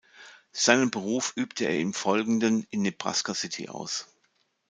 Seinen Beruf übte er im Folgenden in Nebraska City aus.